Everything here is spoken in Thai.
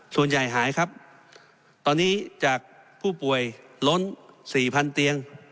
หายครับตอนนี้จากผู้ป่วยล้น๔๐๐๐เตียง